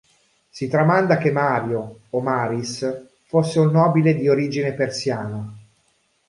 Si tramanda che Mario, o Maris, fosse un nobile di origine persiana.